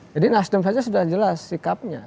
jadi nasdem saja sudah jelas sikapnya